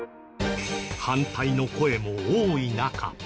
反対の声も多い中。